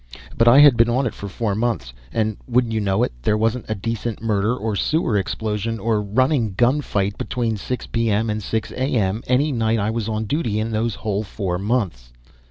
But I had been on it for four months and, wouldn't you know it, there wasn't a decent murder, or sewer explosion, or running gun fight between six P.M. and six A.M. any night I was on duty in those whole four months.